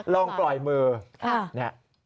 ลองปล่อยมือ